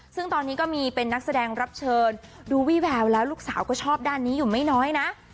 ซึ่งตอนนี้ก็มีเป็นนักแสดงรับเชิญดูวี่แววแล้วลูกสาวก็ชอบด้านนี้อยู่ไม่น้อยนะ